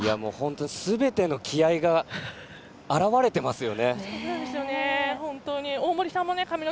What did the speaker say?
すべての気合いが現れていますよね。